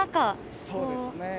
そうですね。